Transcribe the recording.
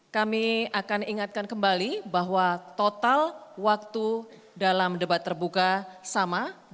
kami akan ingatkan kembali bahwa total waktu dalam debat terbuka sama